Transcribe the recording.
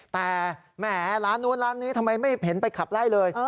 แต่แหมร้านนู้นร้านนี้ทำไมไม่เห็นไปขับไล่เลย